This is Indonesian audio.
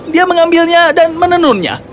dia mengambilnya dan menenunnya